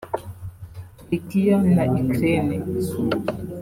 Turikiya na Ukraine